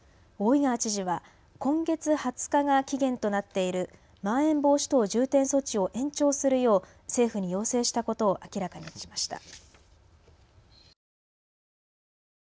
大井川知事は今月２０日が期限となっているまん延防止等重点措置を延長するよう政府に要請したことを明らかにしました。